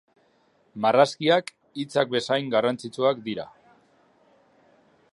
Marrazkiak hitzak bezain garrantzitsuak dira.